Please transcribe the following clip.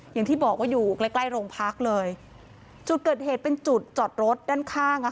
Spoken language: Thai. อย่างที่บอกว่าอยู่ใกล้ใกล้โรงพักเลยจุดเกิดเหตุเป็นจุดจอดรถด้านข้างอ่ะ